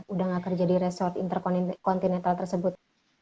udah gak kerja di resort interkontinetral tersebut